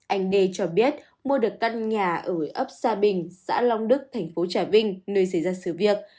anh đê cho biết mua được căn nhà ở ấp sa bình xã long đức thành phố trà vinh nơi xảy ra sự việc